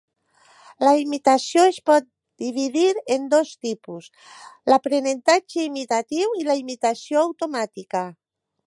La imitació es pot dividir en dos tipus: l'aprenentatge imitatiu i la imitació automàtica.